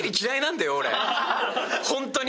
ホントに。